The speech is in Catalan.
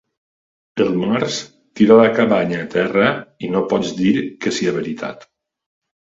El març tira la cabanya a terra i no pots dir que sia veritat.